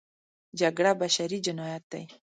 جګړه بشري جنایت دی.